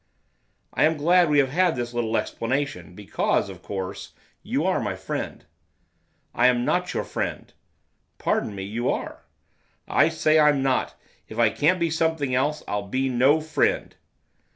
'I am glad we have had this little explanation, because, of course, you are my friend.' 'I am not your friend.' 'Pardon me, you are.' 'I say I'm not, if I can't be something else, I'll be no friend.